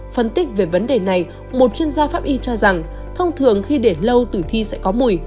phân tích về vấn đề này một chuyên gia pháp y cho rằng thông thường khi để lâu tử thi sẽ có mùi